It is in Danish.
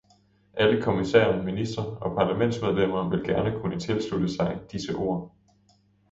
Alle kommissærer, ministre og parlamentsmedlemmer vil gerne kunne tilslutte sig disse ord.